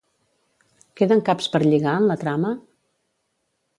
Queden caps per lligar en la trama?